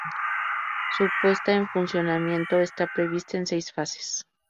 Su puesta en funcionamiento está prevista en seis fases.